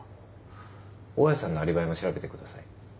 大家さんのアリバイも調べてください。